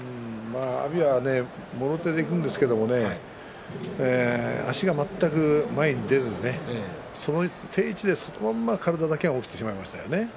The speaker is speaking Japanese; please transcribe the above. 阿炎はもろ手でいくんですけど足が全く前に出ず定位置でそのまま体だけが起きてしまいましたよね。